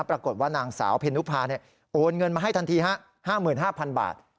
ปรากฏว่านางสาวเพนุภาโอนเงินมาให้ทันที๕๕๐๐บาท